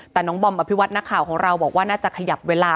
แต่น้องบอมอภิวัตินักข่าวของเราบอกว่าน่าจะขยับเวลา